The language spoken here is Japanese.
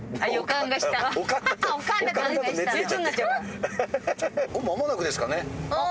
間もなくですかね。